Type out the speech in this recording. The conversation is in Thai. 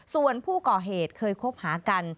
ส่วนผู้ก่อเหตุเคยคบหากัน